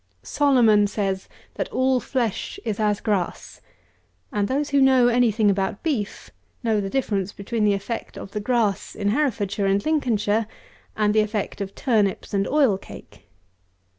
Solomon says that all flesh is grass; and those who know any thing about beef, know the difference between the effect of the grass in Herefordshire and Lincolnshire, and the effect of turnips and oil cake.